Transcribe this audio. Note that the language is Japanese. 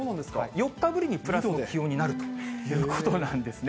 ４日ぶりにプラスの気温になるということなんですね。